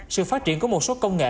sự phát triển của một số công nghệ